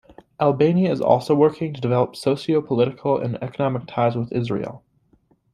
Albania is also working to develop socio-political and economic ties with Israel.